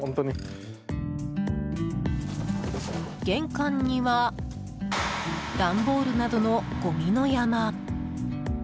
玄関には段ボールなどのごみの山。